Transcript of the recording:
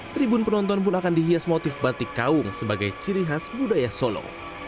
tribun penonton pun akan dihias motif batik kaung sebagai ciri khas budaya solo